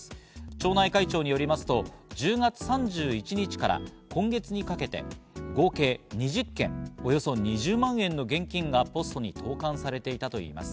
町内会長によりますと１０月３１日から今月にかけて合計２０件、およそ２０万円の現金がポストに投函されていたといいます。